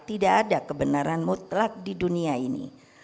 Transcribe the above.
tidak ada kebenaran mutlak di dunia ini